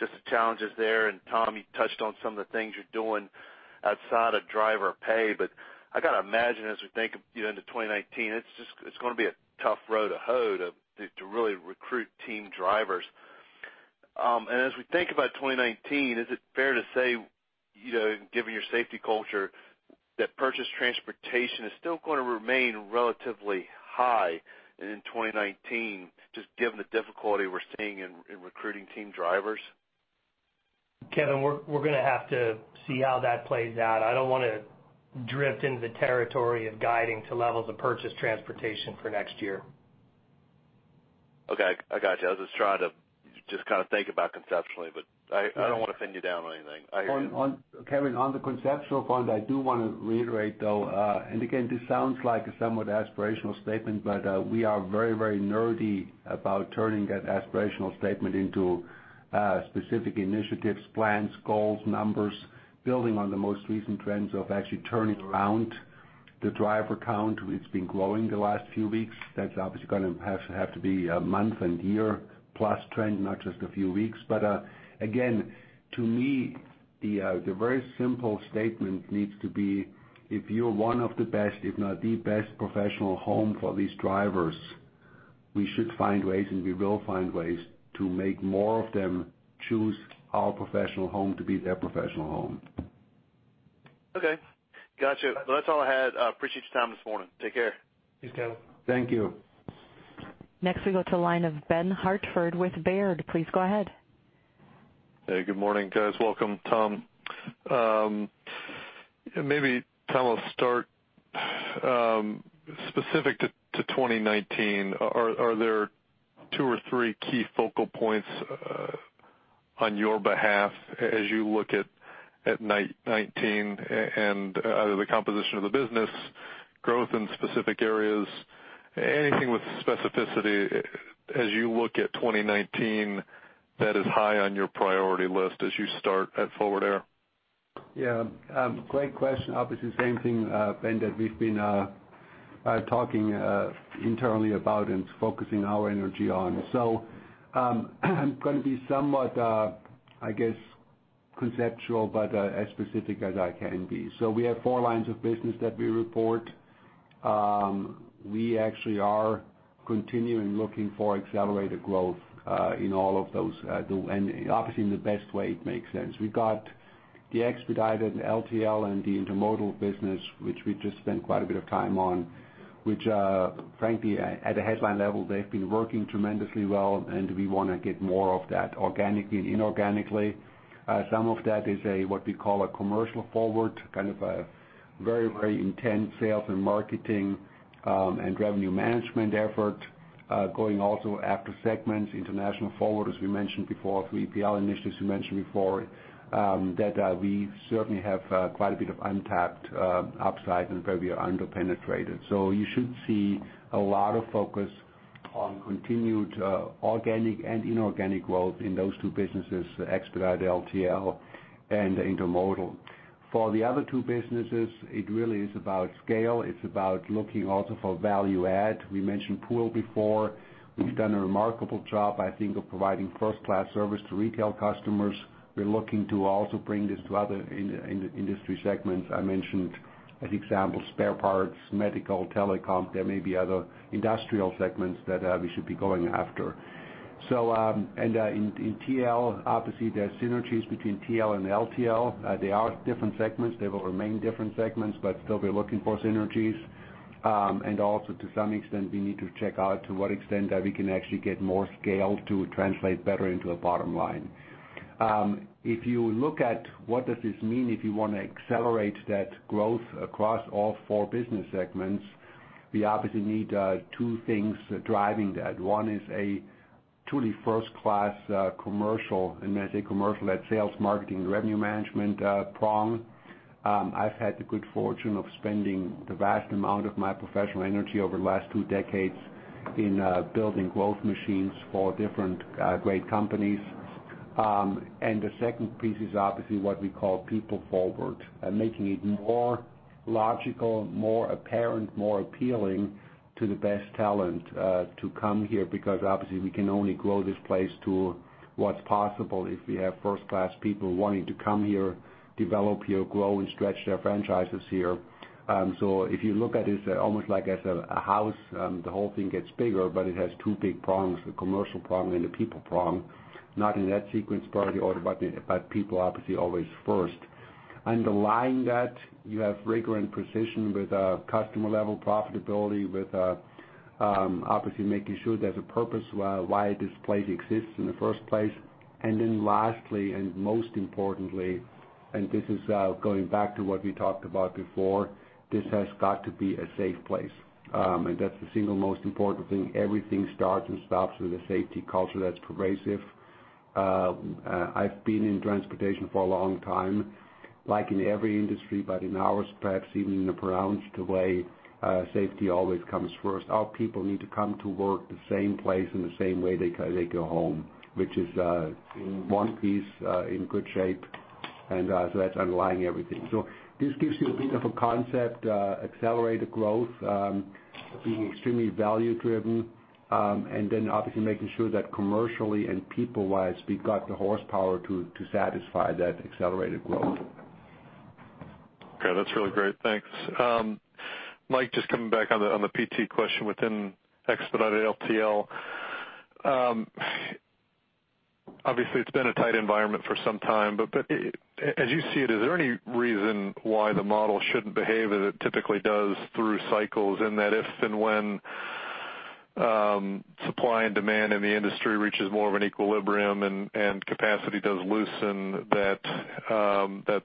just the challenges there. Tom, you touched on some of the things you're doing outside of driver pay. I got to imagine as we think of into 2019, it's going to be a tough road to hoe to really recruit team drivers. As we think about 2019, is it fair to say, given your safety culture, that purchase transportation is still going to remain relatively high and in 2019, just given the difficulty we're seeing in recruiting team drivers? Kevin, we're going to have to see how that plays out. I don't want to drift into the territory of guiding to levels of purchase transportation for next year. Okay. I got you. I was just trying to just kind of think about conceptually. I don't want to pin you down on anything. I hear you. Kevin, on the conceptual point, I do want to reiterate, though, and again, this sounds like a somewhat aspirational statement, but we are very nerdy about turning that aspirational statement into specific initiatives, plans, goals, numbers, building on the most recent trends of actually turning around the driver count, it's been growing the last few weeks. That's obviously going to have to be a month and year-plus trend, not just a few weeks. Again, to me, the very simple statement needs to be, if you're one of the best, if not the best professional home for these drivers, we should find ways, and we will find ways to make more of them choose our professional home to be their professional home. Okay. Got you. That's all I had. Appreciate your time this morning. Take care. Thanks, Kevin. Thank you. Next we go to line of Ben Hartford with Baird. Please go ahead. Hey, good morning, guys. Welcome, Tom. Maybe, Tom, I'll start specific to 2019. Are there two or three key focal points on your behalf as you look at 2019 and out of the composition of the business, growth in specific areas, anything with specificity as you look at 2019 that is high on your priority list as you start at Forward Air? Yeah. Great question. Obviously, same thing, Ben, that we've been talking internally about and focusing our energy on. Going to be somewhat, I guess, conceptual, but as specific as I can be. We have four lines of business that we report. We actually are continuing looking for accelerated growth in all of those. Obviously, in the best way it makes sense. We got the expedited and LTL and the intermodal business, which we just spent quite a bit of time on, which frankly, at a headline level, they've been working tremendously well, and we want to get more of that organically and inorganically. Some of that is a, what we call a commercial forward, kind of a very intense sales and marketing, and revenue management effort, going also after segments, international forward, as we mentioned before, 3PL initiatives we mentioned before, that we certainly have quite a bit of untapped upside and where we are under-penetrated. You should see a lot of focus on continued organic and inorganic growth in those two businesses, expedited LTL and intermodal. For the other two businesses, it really is about scale. It's about looking also for value add. We mentioned pool before. We've done a remarkable job, I think, of providing first-class service to retail customers. We're looking to also bring this to other industry segments. I mentioned as examples, spare parts, medical, telecom. There may be other industrial segments that we should be going after. In TL, obviously, there are synergies between TL and LTL. They are different segments. They will remain different segments, but still we're looking for synergies. Also to some extent, we need to check out to what extent that we can actually get more scale to translate better into a bottom line. If you look at what does this mean if you want to accelerate that growth across all four business segments, we obviously need two things driving that. One is a truly first class commercial, and when I say commercial, that sales, marketing, revenue management prong. I've had the good fortune of spending the vast amount of my professional energy over the last two decades in building growth machines for different great companies. The second piece is obviously what we call people forward and making it more logical, more apparent, more appealing to the best talent to come here because obviously we can only grow this place to what's possible if we have first-class people wanting to come here, develop here, grow, and stretch their franchises here. If you look at it's almost like a house. The whole thing gets bigger, but it has two big prongs, the commercial prong and the people prong. Not in that sequence probably, but people obviously always first. Underlying that, you have rigor and precision with customer-level profitability, with obviously making sure there's a purpose why this place exists in the first place. Lastly, and most importantly, and this is going back to what we talked about before, this has got to be a safe place. That's the single most important thing. Everything starts and stops with a safety culture that's pervasive. I've been in transportation for a long time. Like in every industry, but in ours, perhaps even pronounced the way safety always comes first. Our people need to come to work the same place in the same way they go home, which is in one piece, in good shape. That's underlying everything. This gives you a bit of a concept, accelerated growth, being extremely value driven, and then obviously making sure that commercially and people-wise, we've got the horsepower to satisfy that accelerated growth. Okay, that's really great. Thanks. Mike, just coming back on the PT question within expedited LTL. Obviously, it's been a tight environment for some time, but as you see it, is there any reason why the model shouldn't behave as it typically does through cycles? That if and when supply and demand in the industry reaches more of an equilibrium and capacity does loosen, that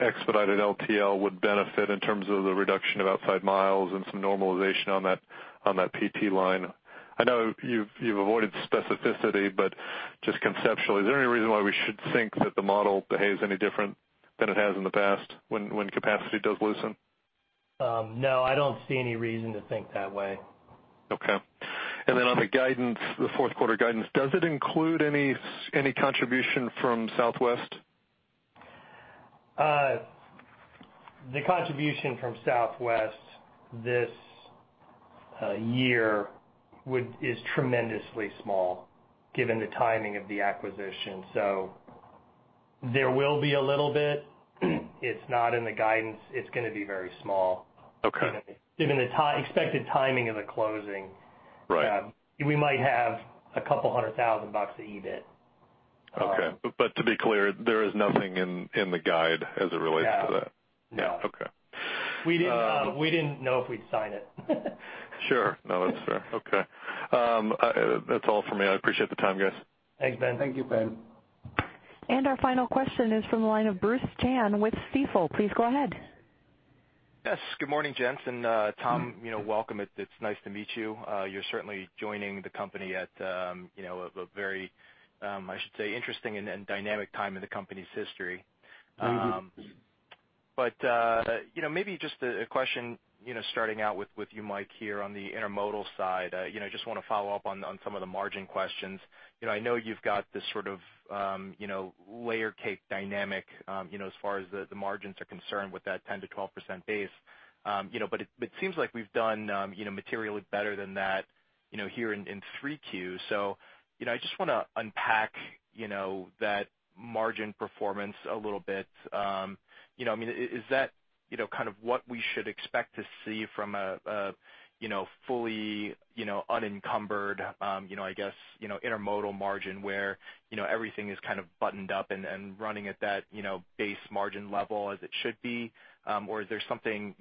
expedited LTL would benefit in terms of the reduction of outside miles and some normalization on that PT line? I know you've avoided specificity, but just conceptually, is there any reason why we should think that the model behaves any different than it has in the past when capacity does loosen? No, I don't see any reason to think that way. Okay. On the guidance, the fourth quarter guidance, does it include any contribution from Southwest? The contribution from Southwest this year is tremendously small given the timing of the acquisition. There will be a little bit. It's not in the guidance. It's going to be very small. Okay. Given the expected timing of the closing. Right We might have 200,000 bucks of EBIT. Okay. To be clear, there is nothing in the guide as it relates to that? No. Okay. We didn't know if we'd sign it. Sure. That's fair. Okay. That's all for me. I appreciate the time, guys. Thanks, Ben. Thank you, Ben. Our final question is from the line of Bruce Chan with Stifel. Please go ahead. Good morning, gents, and Tom, welcome. It is nice to meet you. You are certainly joining the company at a very, I should say, interesting and dynamic time in the company's history. Maybe just a question, starting out with you, Mike, here on the intermodal side. Just want to follow up on some of the margin questions. I know you have got this sort of layer cake dynamic as far as the margins are concerned with that 10%-12% base. It seems like we have done materially better than that here in 3Q. I just want to unpack that margin performance a little bit. Is that kind of what we should expect to see from a fully unencumbered, I guess, intermodal margin where everything is kind of buttoned up and running at that base margin level as it should be? Or is there something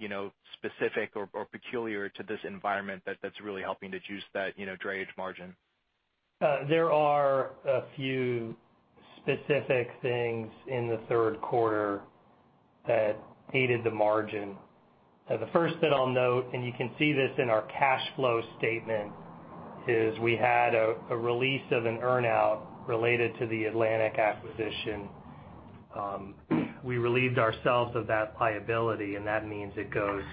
specific or peculiar to this environment that is really helping to juice that drayage margin? There are a few specific things in the third quarter that aided the margin. The first that I'll note, and you can see this in our cash flow statement, is we had a release of an earn-out related to the Atlantic acquisition. We relieved ourselves of that liability, and that means it goes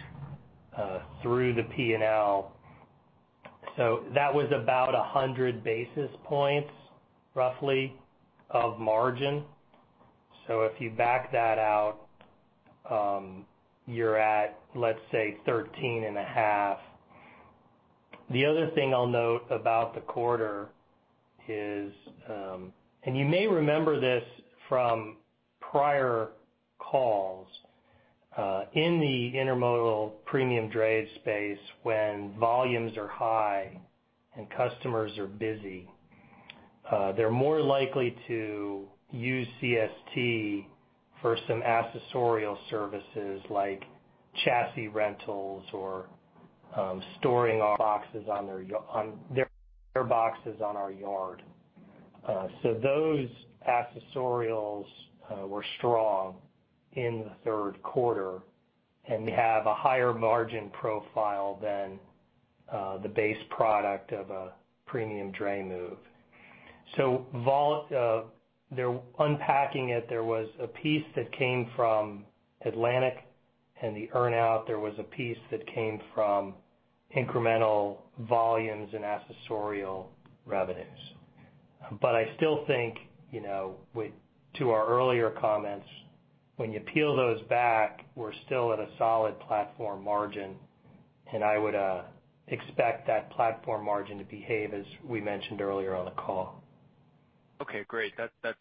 through the P&L. That was about 100 basis points, roughly, of margin. If you back that out, you're at, let's say, 13 and a half. The other thing I'll note about the quarter is, you may remember this from prior calls, in the intermodal premium drayage space, when volumes are high and customers are busy, they're more likely to use CST for some accessorial services like chassis rentals or storing their boxes on our yard. Those accessorials were strong in the third quarter, and we have a higher margin profile than the base product of a premium dray move. Unpacking it, there was a piece that came from Atlantic and the earn-out. There was a piece that came from incremental volumes and accessorial revenues. I still think, to our earlier comments, when you peel those back, we're still at a solid platform margin, and I would expect that platform margin to behave as we mentioned earlier on the call. Okay, great. That's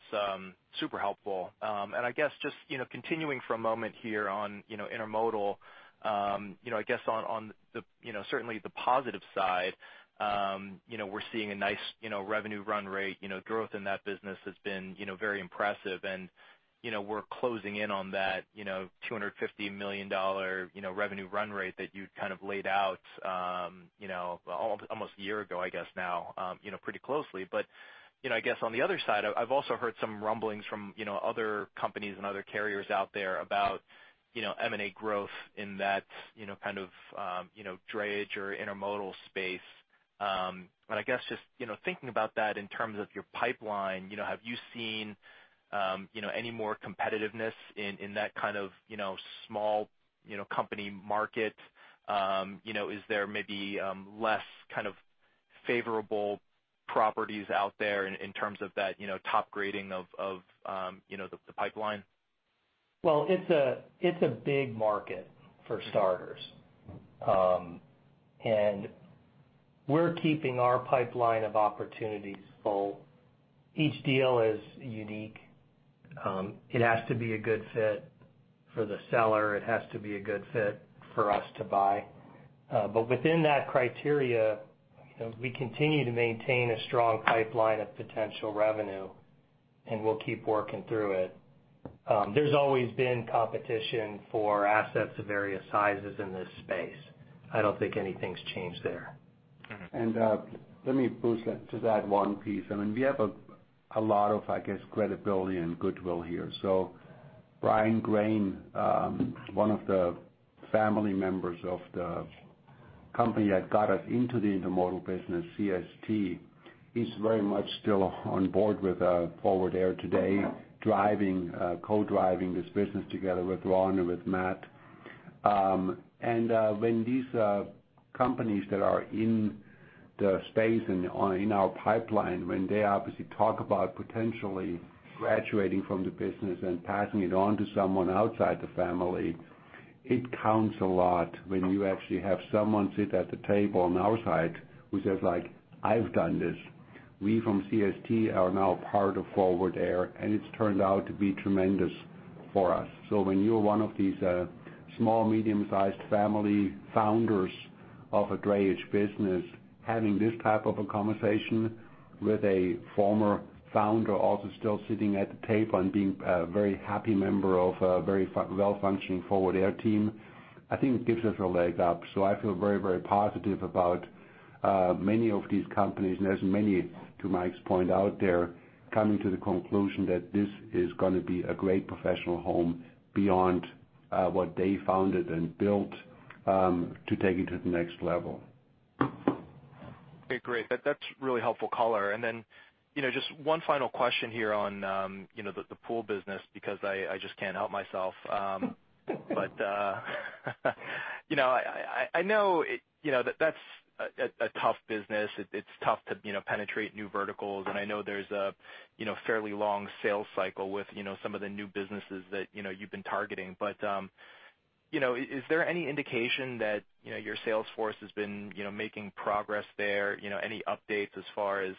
super helpful. I guess just continuing for a moment here on intermodal. I guess on certainly the positive side, we're seeing a nice revenue run rate. Growth in that business has been very impressive, and we're closing in on that $250 million revenue run rate that you kind of laid out almost a year ago, I guess now, pretty closely. I guess on the other side, I've also heard some rumblings from other companies and other carriers out there about M&A growth in that kind of drayage or intermodal space. I guess just thinking about that in terms of your pipeline, have you seen any more competitiveness in that kind of small company market? Is there maybe less kind of favorable properties out there in terms of that top grading of the pipeline? Well, it's a big market, for starters. We're keeping our pipeline of opportunities full. Each deal is unique. It has to be a good fit for the seller. It has to be a good fit for us to buy. Within that criteria, we continue to maintain a strong pipeline of potential revenue, and we'll keep working through it. There's always been competition for assets of various sizes in this space. I don't think anything's changed there. Let me, Bruce, just add one piece. We have a lot of, I guess, credibility and goodwill here. Bryan Grane, one of the family members of the company that got us into the intermodal business, CST, is very much still on board with Forward Air today, co-driving this business together with Ron and with Matt. When these companies that are in the space and are in our pipeline, when they obviously talk about potentially graduating from the business and passing it on to someone outside the family, it counts a lot when you actually have someone sit at the table on our side who says, "I've done this. We from CST are now part of Forward Air, and it's turned out to be tremendous for us." When you're one of these small, medium-sized family founders of a drayage business, having this type of a conversation with a former founder, also still sitting at the table and being a very happy member of a very well-functioning Forward Air team, I think it gives us a leg up. I feel very, very positive about many of these companies. There's many, to Mike's point, out there coming to the conclusion that this is going to be a great professional home beyond what they founded and built to take it to the next level. Okay, great. That's really helpful color. Just one final question here on the pool business, because I just can't help myself. I know that's a tough business. It's tough to penetrate new verticals, and I know there's a fairly long sales cycle with some of the new businesses that you've been targeting. Is there any indication that your sales force has been making progress there? Any updates as far as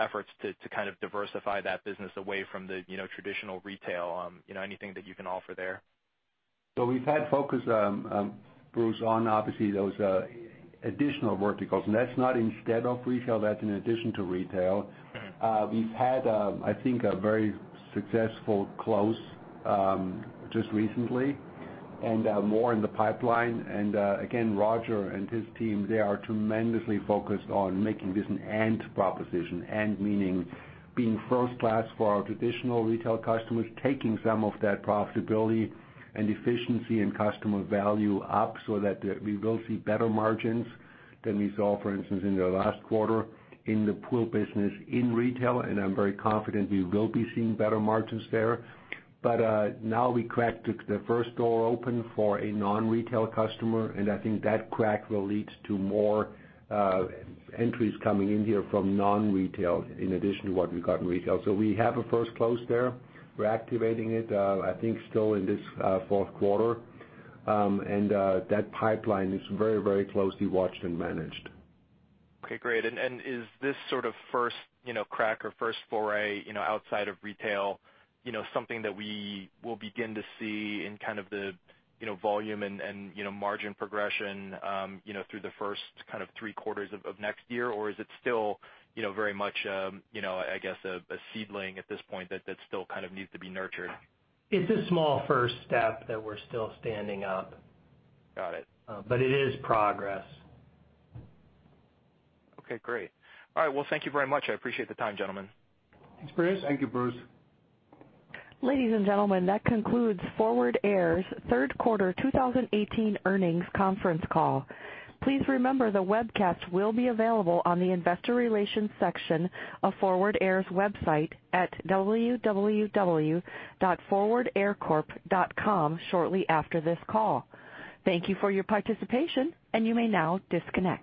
efforts to kind of diversify that business away from the traditional retail? Anything that you can offer there? We've had focus, Bruce, on obviously those additional verticals, and that's not instead of retail, that's in addition to retail. Okay. We've had, I think, a very successful close just recently, and more in the pipeline. Again, Roger and his team, they are tremendously focused on making this an "and" proposition. Meaning being first class for our traditional retail customers, taking some of that profitability and efficiency and customer value up so that we will see better margins than we saw, for instance, in the last quarter in the pool business in retail. I'm very confident we will be seeing better margins there. Now we cracked the first door open for a non-retail customer, I think that crack will lead to more entries coming in here from non-retail in addition to what we got in retail. We have a first close there. We're activating it, I think, still in this fourth quarter. That pipeline is very, very closely watched and managed. Okay, great. Is this sort of first crack or first foray outside of retail something that we will begin to see in the volume and margin progression through the first three quarters of next year? Is it still very much a seedling at this point that still kind of needs to be nurtured? It's a small first step that we're still standing up. Got it. It is progress. Okay, great. All right. Well, thank you very much. I appreciate the time, gentlemen. Thanks, Bruce. Thank you, Bruce. Ladies and gentlemen, that concludes Forward Air's third quarter 2018 earnings conference call. Please remember, the webcast will be available on the investor relations section of Forward Air's website at www.forwardaircorp.com shortly after this call. Thank you for your participation, and you may now disconnect.